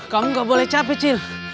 kamu gak boleh capek cil